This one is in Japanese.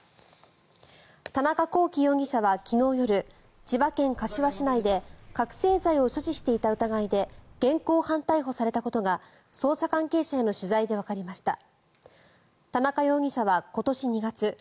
田中聖容疑者は昨日夜千葉県柏市内で覚醒剤を所持していた疑いで現行犯逮捕されたことが捜査関係者への取材でわかりました。